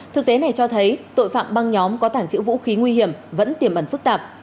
thực tế này cho thấy tội phạm băng nhóm có tảng chữ vũ khí nguy hiểm vẫn tiềm ẩn phức tạp